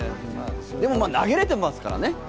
でも、投げれてますからね。